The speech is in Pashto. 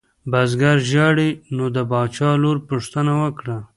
بزګر ژاړي نو د باچا لور پوښتنه وکړه.